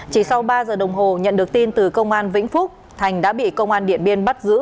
chỉ sau ba giờ đồng hồ nhận được tin từ công an vĩnh phúc thành đã bị công an điện biên bắt giữ